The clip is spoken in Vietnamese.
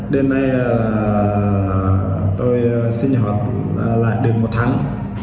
đêm nay tôi sinh hoạt lại được một tháng